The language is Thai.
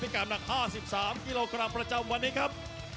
การหนัก๕๓กิโลกรัมประจำวันนี้ครับ